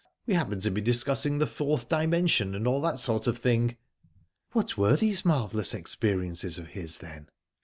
We happened to be discussing the Fourth Dimension, and all that sort of thing." "What were these marvellous experiences of his, then?"